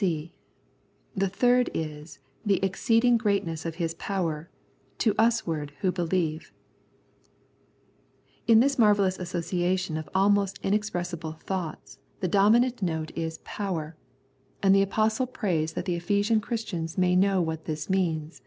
(c) The third is " the exceeding greatness of His power to us ward who believe." In this marvellous association of almost in expressible thoughts the dominant note is 103 The Prayers of St. Paul " power " (Bvpa/j^isi), and the Apostle prays that the Ephesian Christians may know what this means.